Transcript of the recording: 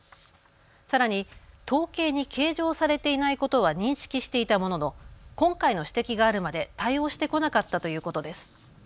さらに統計に計上されていないことは認識していたものの今回の指摘があるまで対応してこなかったということです。